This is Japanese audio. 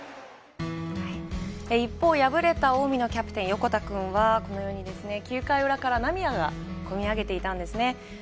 一方敗れた近江のキャプテン横田君は、このように９回裏から涙がこみ上げていたんですね。